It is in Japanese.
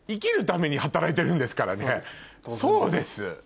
そうです。